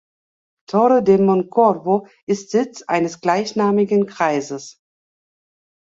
Torre de Moncorvo ist Sitz eines gleichnamigen Kreises.